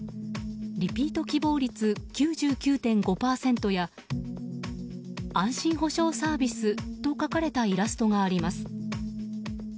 リピート希望率９９．５％やあんしん保証サービスと書かれたイラストがあります。